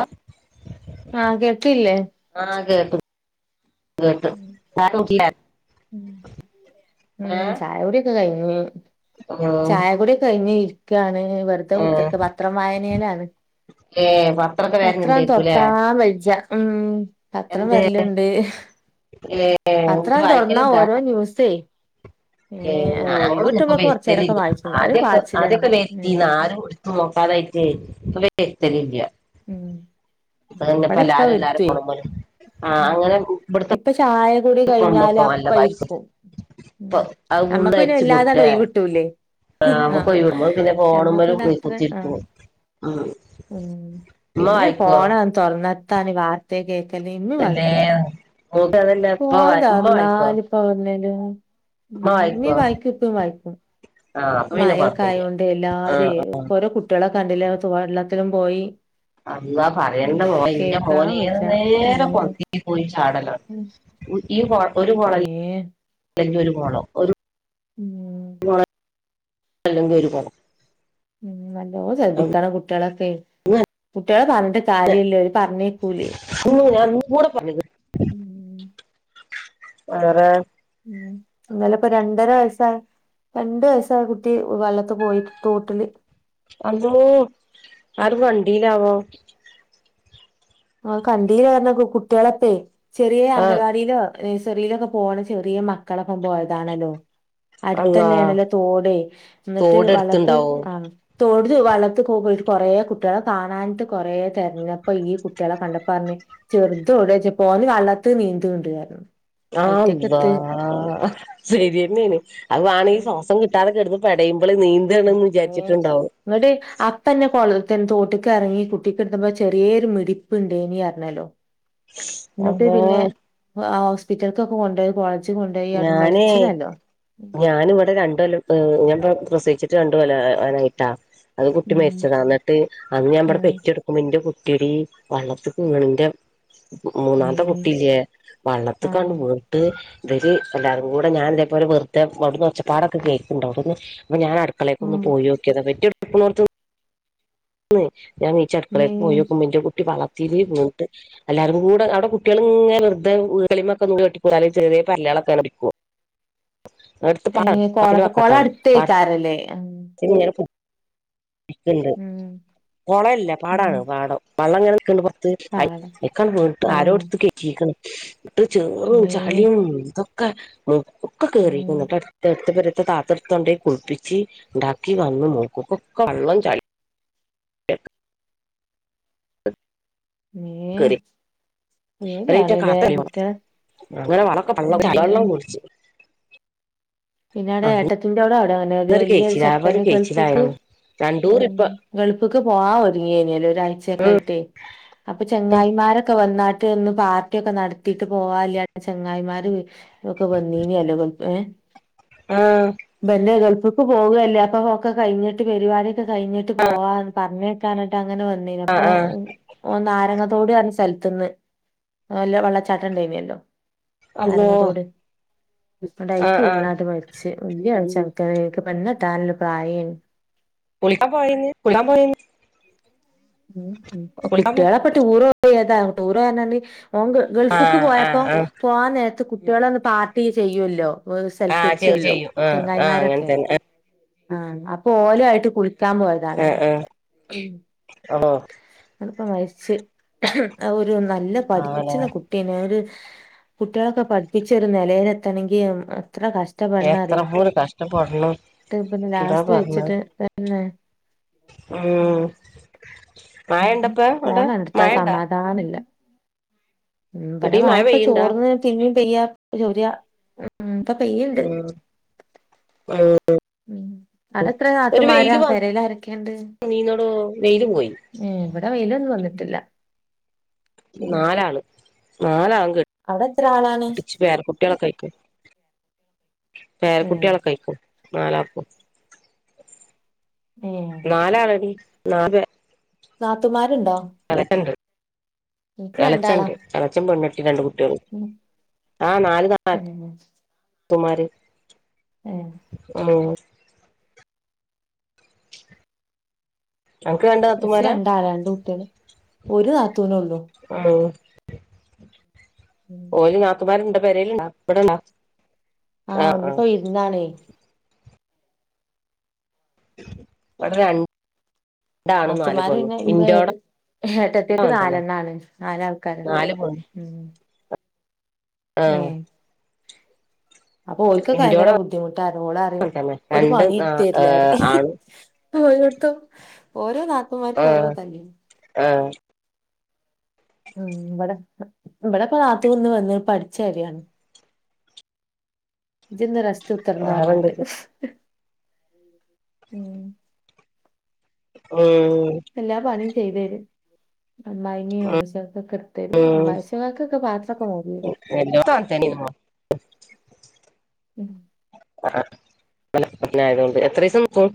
ആഹ് ആഹ് കേട്ടില്ലെ. ആഹ് കേട്ടു. കേട്ടു ഏഹ് ഉം ചായുടിയോക്ക കഴിഞ്ഞു. ഉം ചായകുടിയോക്കഴിഞ്ഞ് ഇരിക്ക്യാണ് വെറുതെ ഏഹ് മുറ്റത്തു പത്രം വായനയിലാണ്. ഏഹ് പത്രൊക്കെ പത്രം വരലുണ്ടേക്കൂലേ തൊർക്കാൻവെജ്ജ ഉം പത്രം വര്ലുണ്ട്. ഇല്ലേ. പത്രം തൊർന്നാ ഓരോ ന്യൂസേ. ഏഹ് ഒഴിവ് ഞങ്ങളൊന്നോപ്പോ കിട്ടുമ്പോക്കെ കൊറച്ചേരൊക്കെ വെരുത്തലില്ല വായിച്ചും എന്നാലും ആദ്യൊക്കെ, ആദ്യൊക്കെ പാച്ചിലന്നെ ഉം വെര്ത്തിന്നാരും കൊ നോക്കതായിട്ടെ ഇപ്പ വെരിത്തലില്ല. ഉം ഇവിടെ ഇപ്പ അന്നപ്പല്ലാരും എല്ലാരും വരുത്തുവേ ഫോണും മെലെ ആ ഉം അങ്ങനെ ബ്ടിത്തെ. ഇപ്പ ചായ കുടി കഴിഞ്ഞാലപ്പ ഇരിപ്പു. ഉം ഇപ്പൊ അത് ഫുള്ള് അമ്മക്ക് അരിച്ചു പൊട്ടില്ലേ പിന്നല്ലാതടോയിവുട്ടൂലെ. ആഹ് മ്മകൊയ്‌വ് മ്മള് പിന്നെ ഫോണുമേലും പോയി അത്ര കുത്തിരിക്ക. ആഹ് ആഹ് ഉമ്മ വായിക്കുവോ? തൊറ്നത്താന് വാർത്തെ കേക്കല് ഇമ്മി അല്ലേ വായിക്കും. [unintelligible] ഉമ്മ വായിക്കോ ഫോന്തൊറന്നാല് പ്പ [unintelligible] ഉമ്മ വായിക്കോ ഇമ്മീം വായിക്കും, ഇപ്പേം വായിക്കും. ആഹ് അപ്പൊ പിന്നെ മയൊക്കെ കൊഴപ്പില്ല ആയോണ്ട് ആഹ് എല്ലാരൊയ് ആഹ് ഓരോ കുട്ട്യാളെ കണ്ടില്ലേ വെള്ളത്തിലും പോയി. അള്ളാ ഉം പറയേണ്ട മോളേ ഇന്റെ കേക്കാൻ മോന് വെജ്ജ എത് നേരം കൊൾത്തിക്ക് പോയി ചാടലാണ്. ഉം ഇയ്യ് ഒര് മോളല്ലേ [unintelligible] അല്ലെങ്കി ഒര് മോനോ ഉം [unintelligible] അല്ലങ്കി ഒര് കോപം. ഉം നല്ലോ ശ്രദ്ധിക്കണം കുട്ട്യാളൊക്കെ കുട്ടികളെ പറഞ്ഞിട്ട്. കാര്യല്ല ഓര് പറഞ്ഞേക്കൂലേ. ഇയ്യോ ഞങ്ങക്കൂടെ പറഞ്ഞുതരും. ഉം വേറെ. ഉം ഇന്നല് പ്പോ രണ്ടര വയസ്സായ. രണ്ട് വയസ്സായ കുട്ടി വെള്ളത്ത്‌ പോയി തോട്ടില്. അള്ളോ ആരും കണ്ടീലാവോ. ആഹ് കണ്ടീലപറഞ്ഞ കുട്ടിയാളോക്കെ ചെറിയ ആഹ് അംഗൻവാടിയിലോ. നഴ്സെറിയിലൊക്കെ പോണ ചെറിയ മക്കളൊപ്പം പോയതാണല്ലോ. അള്ളാ അട്ത്തന്നെആണല്ലോ തോട് ന്ന്ട്ട് വെള്ളത്ത് തോടെടുത്തുണ്ടാവോ ആഹ്. തൊട്ട്ല് വെള്ളത്ത്‌ പോകു കൊറേ കുട്ട്യാളെ കാണാഞ്ട്ട് കൊറേ തെരഞപ്പൊ ഈ കു ട്ട്യളെ കണ്ടപ്പറ്ഞ് ചെറുതൊവ്ടെ യ്ചെപ്പോ ഓല് വെള്ളത്ത് നീന്ത്ണ് ണ്ട്ന്ന് റഞ്ഞു. ആഹ് അള്ളാ ശരിയെന്നേണ് അത് വാണെങ്കി ശ്വാസം കിട്ട ട്ടാതെ കെട്ന്ന് പെടയുമ്പള് നീ റബ്ബെ. ങ്ങട് അപ്പന്നെ കൊളത്ത്‌ തോട്ട്ക്ക് എറങ്ങി കുട്ടിക്ക്ട്ത്തപ്പോ ചെറിയൊരു മിടിപ്പ്ണ്ടെനി അറ്ഞ്ഞല്ലോ. [inaudible] ഇന്നെട്ട് അള്ളാ പിന്നെ ഹോസ്പിറ്റൽക്കൊക്കെ കൊണ്ടോയി കൊ ഞാനേ. ഞാന് ഇവിടെ രണ്ട് കൊല്ലം ഞാൻ പ്രസവിച്ചിട്ട് രണ്ട് കൊല്ലാകാനായിട്ടാ. അത് കുട്ടി ഉം മരിച്ചതാ ന്നെട്ട് അന്ന് ഞാൻ ഇവിടെ ഉം പെറ്റെട്. ഉമിന്റെ കുട്ടിയെടി വെള്ളത്ത്‌ക്ക് വീണ്. ന്റെ മേ മൂന്നാമെത്തെ കുട്ടില്ലേ വള്ളത്തി ആഹ് കാണ്ട് വീണ് ട്ട് വെര് എല്ലാരും കൂടെ ഞാൻ ഇതേപോലെ വെറ്തെ അവ്ട്ന്ന് ഒച്ചപ്പാടൊക്കെ കേക്ണ്ട് അവിട്ന്ന് അപ്പ ഞാൻ അടുക്കളേക്ക് ഉം ഒന്ന് പോയൊക്ക്യതാ [unintelligible] ന്ന് ഞാൻ മേ നീച്ചട്ക്കളേക്ക് പോയൊക്കുമ്പോ ഇന്റെ കുട്ടി വള്ളത്തില് വീണിട്ട് എല്ലാരും കൂടെ അവിടെ കുട്ടികള് ങ്ങനെ വെറുതെ [unintelligible] അടുത്ത് പാടാണ് ഏഹ് പാടത്തിന്റെ കൊളൊക്കെ വക്കത്താണ് പാടത്തിന് കൊളട്ത്തേക്കാരല്ലേ ഇങ്ങനെ പ്പോ ഇക്കണ്ട് ഉം കൊളല്ല ഉം പാടാണ് പാടം വള്ളംങ്ങനെ നിക്ണ്ട് പോ ത്ത്‌ അയ് പാടം അയ്കാണ്ട് വീണ് ട്ട് ആഹ് ആരോട്ത്ത് കെറ്റിക്ക്ണ് ഇട്ട് ചെറും മേ ചളിയും എന്ത ക്കെ ഒക്കെ ഉം കേറിക്കുണു അട്ത്ത്‌ ട്ത്ത് പ ത്തെ താത്തട്തൊൻണ്ടോയി കുൾപ്പിച്ച് ണ്ടാക്കി വന്ന് നോക്കും ഒക്കെ വെള്ളം ചളി ഏഹ് കേറി ഒരേറ്റ പെടിയാണ്ലേ കാത്തല്ലേ കുട്ട്യാ അങ്ങനെ വളൊക്കെ വള്ളം ചളിവെള്ളം ഉം കുടിച്ച് പിന്നെ അവ്ടെ അന്നൊരു ഏട്ടത്തിന്റെടെ അവിടെ അങ്ങനെയ ജയിലില് കെയ്ച്ചിലാ ആകെ ഒരു ശത്തനേ ഗൾഫ്ക്ക് കെയ്ച്ചിലായതാണ് രണ്ടൂർ ഇപ്പ ഉം ഗൾഫ്ക്ക് പോവാ ഒരുങ്ങിയനല്ലോ ഒരാഴ്ചയക്കെ ആയിട്ടേ അപ്പ ചെങ്ങായിമാരൊക്കെ വന്നാട്ട് ഒന്ന് പാർട്ടിയൊക്കെ നടത്തിട്ട് പോവാല്ല ചെങ്ങായിമാര് ഒക്കെ വന്നീനോലോ ഏഹ് ആഹ് ബന്റെറ ഗൾഫിക്ക് പോവെല്ലേ അപ്പൊ ഒക്കെ കഴിഞ്ഞിട്ട് പരിപാടിയൊക്കെ കഴിഞ്ഞിട്ട് പോവാന്ന് പറഞ്ഞ് കാനട്ട അങ്ങനെ വന്നേന് അപ്പൊ ഓ നാരങ്ങത്തോടെർഞ്ഞ സ്ഥലത്ത്ന്ന് വല്ല വെള്ളച്ചാട്ടം ഉണ്ടായിനല്ലോ അള്ളോ നാരങ്ങത്തോട് അയ്ക്ക് ആഹ് ആഹ് വീണട്ട മ ച്ച് വല്യ ഒരു ചെറക്കൻ ആയി പെണ്ണ് കെട്ടാനുള്ള പ്രായ ആയിന് കുളിക്കാൻ പോയിന് കുളിക്കാൻ പോയി ഉം കുളിക്കാൻ പോ കുട്ടിയളക്ക ടൂറോയത ടൂർ പോയന് ഓൻ ഗ ഗൾഫിക്ക് ആഹ് ആഹ് പോയപ്പോ ആഹ് പോവാൻ നേരത്ത് കുട്ടികളൊന്ന് പാർട്ടി ചെയ്യുല്ലോ ഓല് ആഹ് ചെയ്യും സൽക്കരിച്ചുവല്ലോ ചെയ്യും ആഹ് ആഹ് അങ്ങനെ ചെങ്ങായിമാരൊക്കെ തന്നെ ആഹ് അപ്പൊ ഓലും ആയിട്ട് കുളിക്കാൻ പോയതാണല്ലോ ആണോ അത്പ്പ മരിച്ച് അ ഒരു നല്ല അങ്ങനെ പഠിച്ചണ കു ട്ടിണ് ഒരു കുട്ടികളൊക്കെ പഠിപ്പിച്ച ഒരു നിലെത്തണെങ്കിൽ അത്ര കഷ ടപെടണ എത്ര അറിയോ പോര് കഷ്ടപ്പെടണം ട്ട് പിന്നെ എന്താ ലാസ്റ്റ് പറഞ്ഞ വെച്ചിട്ട് അതന്നെ ഉം മഴ ഇണ്ടപ്പ അവിടെ മയണ്ടാ ഞാനില്ല ഇടി മഴ മ്പടമയപ്പ പെയ്യണ്ടാ ചോർന്ന് മ്മം പെയ്യ ചോര്യ ഉം ഇപ്പ പെയ്യുണ്ട് ഉം ഉം അടെത്ര നാത്തൂന്മാരാ പരയിലാരക്കണ്ട് നിന്നഡോ വേയ്ല് പോയി ഉം ഇവിടെ വെയിലൊന്നും വന്നിട്ടില്ല ഉം നാലാള് നാലാളേം അവിടെ എത്ര ആളാണ് കെട്ടിച്ചു പേര കുട്ടികളൊക്കെ ആയികണ് ഏ പേരക്കുട്ടിയാളൊക്കെ ആയികണ് നാലാൾക്കും ഉം നാലാള്ഡീ നാല് നാത്തുമാരുണ്ടോ ണ്ട് ഇൻക്ക് രണ്ടാളാ ഇളച്ചണ്ട് എളച്ചൻ പെണ്ണട്ടി രണ്ട് കുട്ടികള് ഉം ആഹ് നാല് ഏ നാത്തൂമാര് ഏഹ് ഏഹ് അനക്ക് രണ്ട് ഇൻച്ച് നാത്തൂമാരാ രണ്ടാളാ രണ്ട് കുട്ട്യാള് ഒരു താത്തൂനേ ഉള്ളു ഉം ഉം ഓര് നാത്തുമ്മാര്ണ്ടാ പെരേല്ണ്ടാ ഇവിടെണ്ടാ ആഹ് ഇന്നിപ്പോ വിരുന്നാണെ ഇവടെ രണ്ടാണും നാല് നാത്തൂമാര് പെണ്ണും പിന്നെ ഇന്റെ ഏട്ട ഇൻ്റാടെ ഏട്ടത്തിയേക്ക് നാലെണ്ണാണ് നാലാൾക്കാര്ണ്ട് നാല് പെണ്ണും ഉം ആഹ് ഏഹ് അപ്പൊ ഓൽക്കൊക്കെ ഭയങ്കര ഇൻ്റോടെ ബുദ്ധിമുട്ടാർഞ്ഞ് ഓളറിയും അങ്ങൻ തന്നെ ഒരു രണ്ട് പണി നാ ഏഹ് എടുത്തെരില്ലാറിയും ആണും [unintelligible] ഓരോ നാത്തൂമാർക്കും ഓരോ ആഹ് ഇതല്ലേ ആഹ് ഉം ഇവിടെ ഇവിടെപ്പം നാത്തൂൻ ഇന്ന് വന്ന് ഇപ്പം അടിച്ച് വാരാണ് ഇജിന്ന് റസ്റ്റ് കുത്തിർന്നോ പറഞ്ഞിട്ട് വേറെന്തൊക്കെ ഉം എല്ലാ പണിയും ചെയ്തെരും അമ്മായിമ്മയും അമ്മോശാക്കെക്കെട് ത്തെരും അമ്മോശാക്കൊക്കെ പാത്രക്കെ മോറിയെരും എല്ലോട്ത്തും അങ്ങൻ തന്നേണ് ഉം [unintelligible] ആയത് കൊണ്ട് എത്രേസം നിക്കും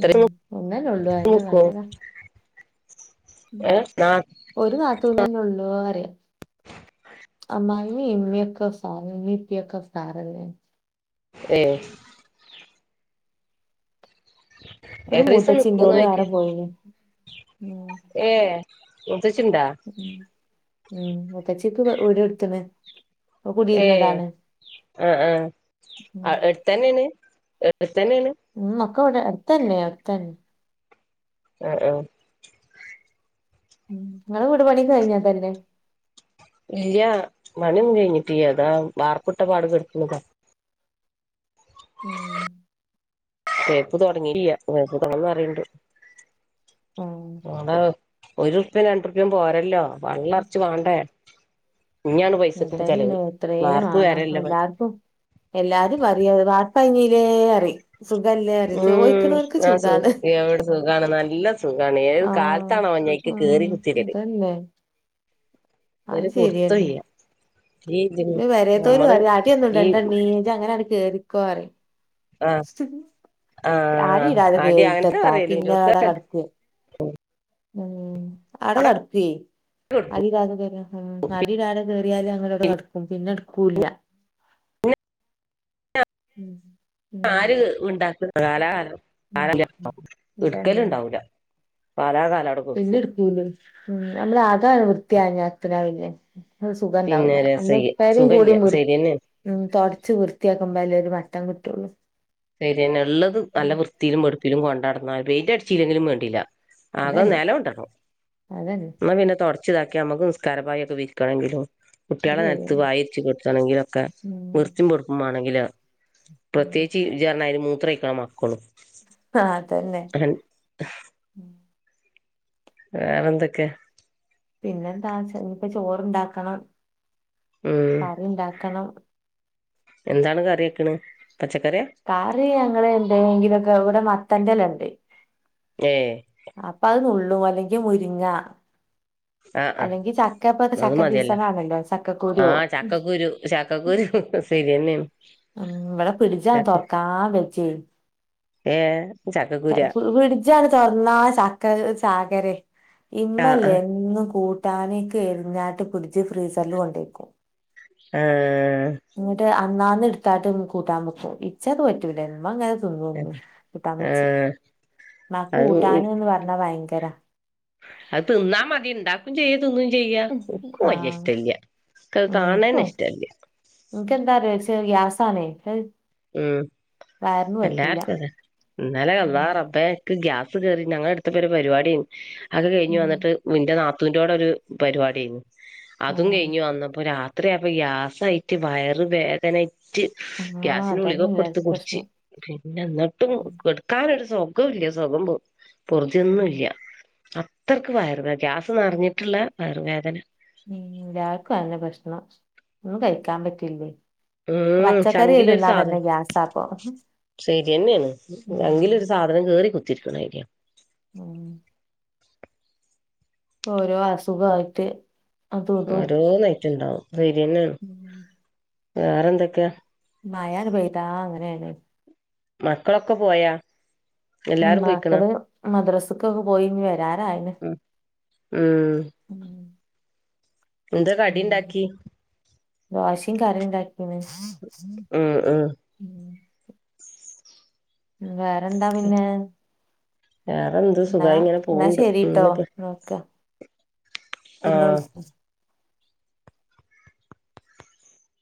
ഉം അങ്ങനെള്ളൂ അതെന്നെ നിക്കും നല്ലതാ [unintelligible] ഒരു നാത്തൂൻ തന്നെ ഉള്ളൂ പറിയാ അമ്മായിമ്മി ഇമ്മീയെക്കെ [unintelligible] ഇമ്മിപ്പിക്കെ ഉസാറന്നെ ഏഹ് ഉ ഒരു മൂത്തച്ചിണ്ട് ഓള് വേറെ പോയിന് ഉം ഏഹ് മൂത്തച്ചിണ്ടാ? ഉം ഉം മൂത്തച്ചിക്ക് വ് വിടെടുത്ത്ണ് ഏഹ് ആഹ് ആഹ് ഉം അ അടുത്തെന്നെയാണ് എട്ത്തെന്നെയാണ് ഉം മക്ക ഇവടെ അടുത്തന്നെ അട്ത്തന്നെ ആഹ് ആഹ് ഉം ഇങ്ങളെ വീട് പണി കഴിഞ്ഞതല്ലെ? ഇല്ലാ പണി ഒന്നും കഴിഞ്ഞിട്ടീല്ലാ ഇതാ ബാർപ്പിട്ട പാട് കെടക്കുണ്താ ഉം തേപ്പ് തൊടങ്ങില്ലാ [unintelligible] തൊടങ്ങണന്ന് പറീണ്ട് ഉം [unintelligible] ഒരുറുപ്യയും രണ്ടുറുപ്യേം പോരല്ലോ പള്ളറച്ചു വാണ്ടേ ഇന്നിയാണ് പൈസക്ക് ചെലവ് അതന്നെ എത്രയും വാർപ്പ് വേണം വെരല്ലെ പൈ എല്ലാർക്കും എല്ലാരും പറിയാ വാർപ്പയ്ഞ്ഞിലേ പറിയും ഉം ആഹ് സുഖ എവിടെ സുഖാണ് നല്ല സുഖാണ് ഏത് കാലത്താണോ ഞാ ക്ക്കേറി കുത്തിരല് ന്നെ ഒരു പുട്‌ത്തോല്ലാ [unintelligible] അറിയ അടിയൊന്നും ഈ ഇടെണ്ടുണ്ണീ ഇജ് അങ്ങനെയാണ് കേറിക്കോറയും ആ ആ അടി ഇടാതെ അടി അങ്ങനത്തെ കേറീട്ടെന്താ പറയല് പിന്നാടെ ഇല്ലോട്ത്തൊക്കെ കെടക്കും ഉം ആടെ അവിടെ കെടക്കുവേ കെട്ട് അടി ഇടാതെ [unintelligible] ഉം അതില്ലാതെ കേറിയാല് അങ്ങന അവടെ കട്ക്കും പിന്നെട്ക്കൂല്ല. ഉം ഉം ആര് അ്‌ണ്ടാക്ക കാലാ കാലം ഉം ഉം. [unintelligible] അതന്നെ അ്‌ട്ക്കല്ണ്ടാവൂല. പാലാ കാലവടെ പിന്നെ ഇട്ക്കൂല ഉം ഞമ്മളാ [unintelligible] വൃത്തിയായാ അത്രി ആവൂലെ. പിന്നെ സുഖംണ്ടാവൂലാ രസയ്യ ഒന്ന്ട്ത്താലും സുഖല്യ കൂടിം വൃ ശരിയന്നെ ഉം തൊടച്ച് വൃത്തിയാക്കുമ്പല്ലെ ഒര് മട്ടം ക്ട്ടൊള്ളൂ. ശരിന്നെ ള്ളത് നല്ല വൃത്തീലും വേട്പ്പിലും കൊണ്ടട്ന്നാ പൈന്റെ അട്ച്ചീലെങ്കിലും വേണ്ടില്ല. ആകം അതന്നെ നേലോണ്ടല്ലോ അതന്നെ ന്ന പിന്നെ തൊട ച്ച് താക്കി അമ്മക്ക് നിസ്കാരപായി ഒക്കെ വിൽക്കണങ്കിലും അത് കുട്ട്യാളെ നൽത്ത് ശരിയാണ് പായിര്ച് കേട്ത്തണെങ്കിലൊക്കെ ഉം വൃത്തിം വെടുപ്പും മാണെങ്കില് ഉം പ്രത്യാ ഇജ്ജ് അർനാരി മൂത്രയ്ക്കാം മക്കളും. ആഹ് അതന്നെ. അൻ വേറെ എന്തൊക്കേ? പിന്നെ എന്താ ച്ച ഇഞ്ഞിപ്പ ചോറ്ണ്ടാക്കണം. ഉം കറിണ്ടാക്കണം. എന്താണ് കറിയക്ക്ണ് പച്ചക്കറിയാ? കറി ഞങ്ങളെ ന്തോങ്കിലൊക്കെ ഇവടെ മത്തന്റെലണ്ട്. ഏഹ്. അപ്പൊ അഅ്‌ ന്നുള്ളും അല്ലെങ്കി മുരിങ്ങാ. ആ ആ അല്ലെങ്കി ചക്ക പ്പ അത് ചക്ക മതിയല്ലോ സീസണാ ആണല്ലോ ആ ചക്കക്കുരു ചക്കക്കുരു ചക്കക്കുരു സേരിന്നേണ്. ഉം ഇവടെ പിടിച്ചാ തെർക്കാം വെജ്ജയ്. ഏഹ്? പ് പിടിച്ചട് തൊർന്നാ ചക്ക ചാകരേ. ഇമ്മല്ലേ എന്നും കൂട്ടാനേക്ക് എര്ഞ്ഞാട്ട് പ്ടിച്ച് ഫ്രീസർല് കൊണ്ടേയക്കും. ഏഹ്. ന്ന്ട്ട് അന്നാന്ന്ട്ത്താണ്ട് കൂട്ടാം വേക്കും ഇച്ചത് പറ്റൂല മ്മങ്ങനെ ത് ന്നും കൂട്ടാം വെച്ച് ആഹ് മ്മാക്ക് അത് കൂട്ടാന് ന്ന് പർഞ്ഞാ ഭയങ്കരാ. അത് ത് ന്നാ മതി ണ്ടാക്കും ചെയ്യും. ത് ന്നും ചെയ്യാ ക്കും വല്ല്യേ ആഹ് ഇഷ്ട്ടല്ല്യ ക്കത് കാൻണന്നെഷ്ടല്ല്യ. ക്കെന്താറിയോ ച്ച് ഗ്യായാസാണെയ് ക്കഅ്‌ ഉം എല്ലാർക്കുഅതെ ഇന്നലെ അള്ളാ ഉം റബ്ബേ ക്ക്‌ ഗ്യാസ് കേറി ഞങ്ങളട്ത്ത്പ്പൊരു പരിവാടിയേന്നു അതൊക്കെ കയ്ഞ്ഞ് ഉം വന്ന്ട്ട് ന്റെ ന്നാത്തൂന്റോടൊരു പര് വാടിയ്നു അതും ആഹ് കയ്ഞ് വന്നപ്പോ രാ ത്രിയായപ്പൊ ഗ്യാസയ്റ്റ് വയറ് വേദനായ്റ്റ് ആഹ് അതന്നെ ഗ്യാസിന്റുളികൊക്കെട്ത്ത് എല്ലാർക്കും കുടിച്ച് പ്രശ്നം പിന്നെ ന്ന്ട്ടും ഉം കെട് ക്കാനൊരു സൊഗൊല്ല്യ സൊകം പോർ ഉം പൊർതിയൊന്നുല്ല്യ. അത്രക്ക് വയറു വേ ഗ്യാസ് ന്നർഞ്ട്ട്ള്ള വയറുവേദന. ഉം ല്ലാർക്കു അതന്നെ പ്രശ്നം ന്നും കഴിക്കാൻ പറ്റില്ലേയ്. ഉം ചങ്കിലൊരു സാധനം ഗ്യാസാപ്പൊ സേരിയെന്നേണ് ഉം ചങ്കിലൊരു സാധനം കേറി കുത്തിര്ക്ക്‌ണാരിയാ. ഉം. ഓരോ അസുഖായിട്ട് അതും ഇതും ഓരോന്ന് ആയിട്ട് ഉണ്ടാവും സെര്യന്നെ ആണ്. വേറെന്തൊക്കെ മഴയാണ്ട് പെയ്താ അങ്ങനേണ്. മക്കളൊക്കെ പോയാ ഉം എല്ലാരും പോയിക്കണ മക്കള് മദ്രാസ്ക്കൊക്കെ പോയി ഞ്ഞി വരാനായിന് മം മം ഉം ന്താ കടിണ്ടാക്കി? ദോശികറിണ്ടാക്കിന്ന് ഉം ഉം വേറെന്താ പിന്നെ വേറെന്ത്‌ ന്നാ ന്നാ ശരീട്ടോ ഇന്നാ വെക്കാ പിന്നെ ആഹ് വിളി